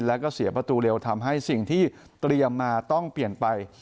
แล้วก็เสียประตูเร็วทำให้สิ่งที่เตรียมมาต้องเปลี่ยนไป